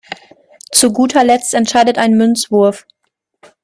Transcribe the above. Zu guter Letzt entscheidet ein Münzwurf.